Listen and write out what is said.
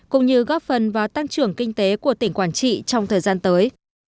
cũng như góp phần vào tăng trưởng kinh tế của tỉnh quảng trị trong thời gian tới